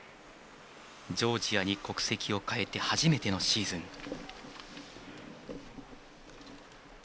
ジョージアに国籍をかえて初めてのシーズン。